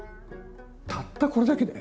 たったこれだけで？